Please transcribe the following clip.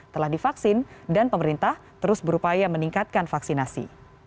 telah divaksin dan pemerintah terus berupaya meningkatkan vaksinasi